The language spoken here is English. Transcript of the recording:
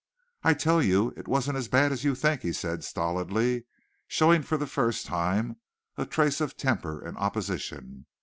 "I tell you it wasn't as bad as you think," he said stolidly, showing for the first time a trace of temper and opposition.